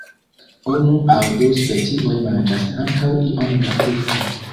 Unu aŭ du specioj manĝas ankaŭ iom da frukto.